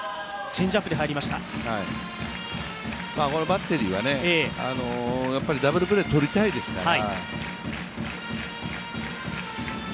バッテリーはダブルプレーとりたいですから。